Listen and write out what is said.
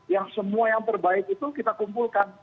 yang semua yang terbaik itu kita kumpulkan